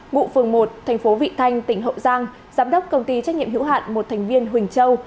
ngụ phường một thành phố vị thanh tỉnh hậu giang giám đốc công ty trách nhiệm hữu hạn một thành viên huỳnh châu